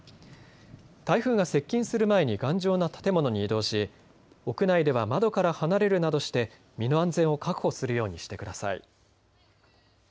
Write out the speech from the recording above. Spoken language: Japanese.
台風が接近する前に頑丈な建物に移動し屋内では窓から離れるなどして身の安全を確保するようにしてください。